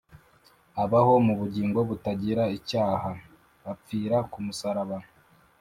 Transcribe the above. abaho mu bugingo butagira icyaha, apfira ku musaraba